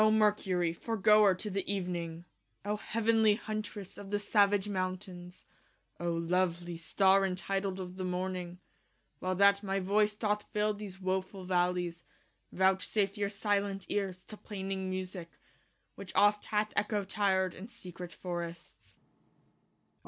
0 Mercurie, foregoer to the event ng y 0 heavenlie huntresse of the savage mountaines y 0 lovelie starre y entitled of the morntng y While that my voice doth fill these wo full v allies y Vouchsafe your silent eares to plaining musique y Which oft hath Echo tir'd in secrete forrests.